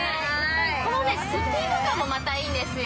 このスピード感もまたいいんですよ。